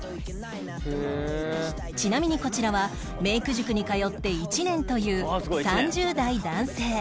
ちなみにこちらはメイク塾に通って１年という３０代男性